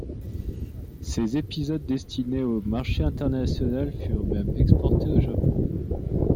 Ces épisodes, destinés au marché international, furent même exportés au Japon.